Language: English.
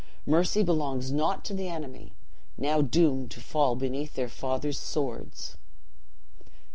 Mercy belongs not to the enemy, now doomed to fall beneath their father's swords!'"